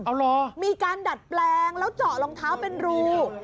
เอาเหรอมีการดัดแปลงแล้วเจาะรองเท้าเป็นรู